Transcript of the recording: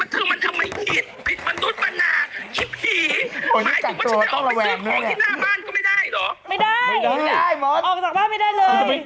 เธอมาเลิกทำบุญช่วยเหลือคนทำเป็นผู้ดีในจรในรายการข่าวช่องสรรพ์